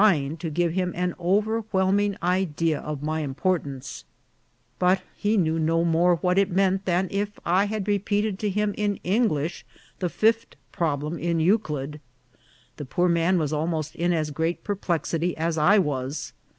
33 ing to give him an overwhelming idea of my impor tance ; but he knew no more what it meant than if I had repeated to him in English the fifth problem in Eu clid. The poor man was almost in as great perplexity as I was.